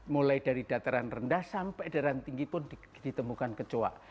mulai dari dataran rendah sampai dataran tinggi pun ditemukan kecoa